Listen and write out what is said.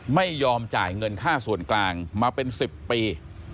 ไม่ยอมจ่ายเงินค่าส่วนกลางมาเป็น๑๐ปี